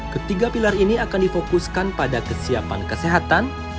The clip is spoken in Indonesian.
ketiga pilar ini akan difokuskan pada kesiapan kesehatan